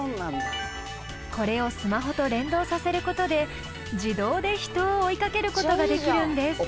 これをスマホと連動させる事で自動で人を追いかける事ができるんです。